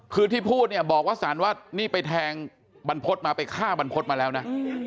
คือที่พูดเนี่ยบอกว่าสารว่านี่ไปแทงบรรพฤษมาไปฆ่าบรรพฤษมาแล้วนะ